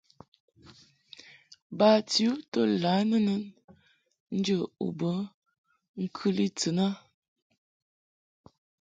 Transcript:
Bati u to lǎ nɨnɨn njə u be ŋkɨli tɨn a.